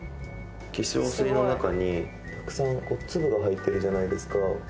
化粧水の中にたくさん粒が入ってるじゃないですか。